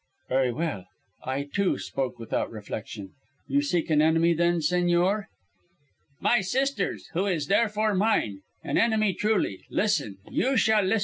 "Very well; I, too, spoke without reflection. You seek an enemy, then, señor?" "My sister's, who is therefore mine. An enemy truly. Listen, you shall judge.